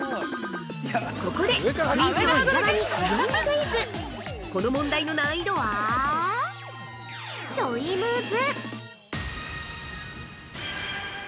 ◆ここでクイズ王、伊沢にイオンクイズこの問題の難易度はちょいムズ。